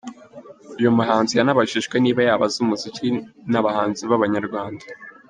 Uyu muhanzi yanabajijwe niba yaba azi umuziki n’abahanzi babanyarwanda.